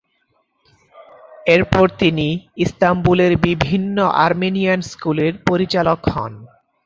এরপর তিনি ইস্তাম্বুলের বিভিন্ন আর্মেনিয়ান স্কুলের পরিচালক হন।